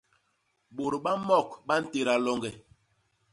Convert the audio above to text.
Bôt ba mok ba ntéda loñge.